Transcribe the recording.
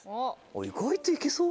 意外といけそう？